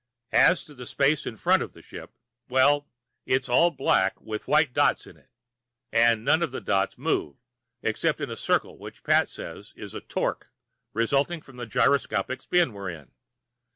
As to the space in front of the ship, well, it's all black with white dots in it, and none of the dots move, except in a circle that Pat says is a "torque" result from the gyroscopic spin we're in.